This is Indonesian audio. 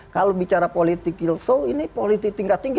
kalau bicara politik kilso ini politik tingkat tinggi